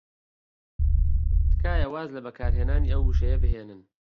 تکایە واز لە بەکارهێنانی ئەو وشەیە بهێنن.